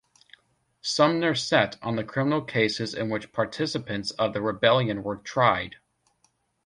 Sumner sat on the criminal cases in which participants of the rebellion were tried.